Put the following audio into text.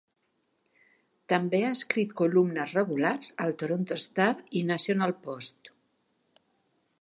També ha escrit columnes regulars al "Toronto Star" i "National Post".